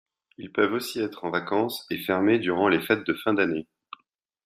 Ils peuvent aussi être en vacances et fermés durant les fêtes de fin d'année.